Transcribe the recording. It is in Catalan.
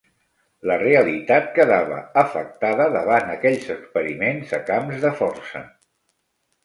La realitat quedava afectada davant aquells experiments de camps de força.